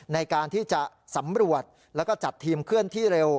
ในการที่จะสำรวจแล้วก็จัดทีมเคลื่อนที่เร็ว